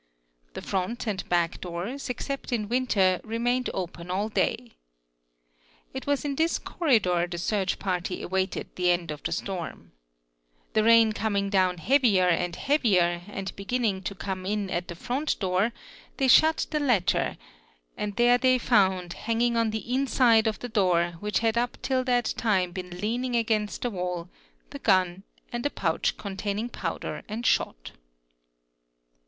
The front and back doors, except in winter, remained open all day. It was in this corridor the search party awaited the end of the sto n The rain coming down heavier and heavier and beginning to come in a the front door, they shut the latter and there they found, hanging on thi inside of the door, which had up till that time been leaning against th wall, the gun and a pouch containing powder and shot.